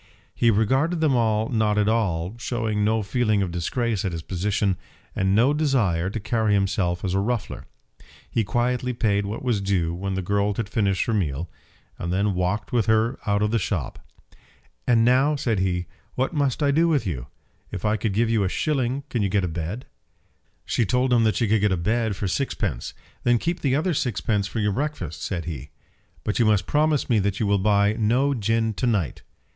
He regarded them all not at all, showing no feeling of disgrace at his position, and no desire to carry himself as a ruffler. He quietly paid what was due when the girl had finished her meal, and then walked with her out of the shop. "And now," said he, "what must I do with you? If I give you a shilling can you get a bed?" She told him that she could get a bed for sixpence. "Then keep the other sixpence for your breakfast," said he. "But you must promise me that you will buy no gin to night."